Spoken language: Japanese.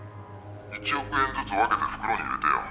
１億円ずつわけて袋に入れてよ」